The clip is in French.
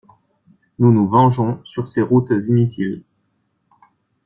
Nous nous vengeons sur ces routes inutiles.